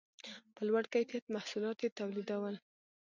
په لوړ کیفیت محصولات یې تولیدول.